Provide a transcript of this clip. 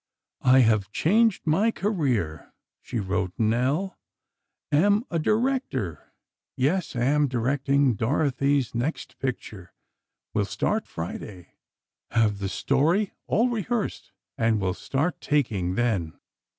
"I have changed my career," she wrote Nell, "—am a director; yes, am directing Dorothy's next picture; will start Friday—have the story all rehearsed, and will start taking, then."